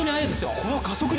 この加速力。